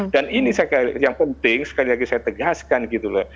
dan ini yang penting sekali lagi saya tegaskan gitu loh